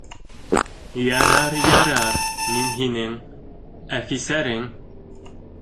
— Ярар, ярар, мин һинең әфисәрең.